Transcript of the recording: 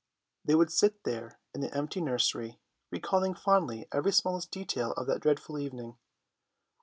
They would sit there in the empty nursery, recalling fondly every smallest detail of that dreadful evening.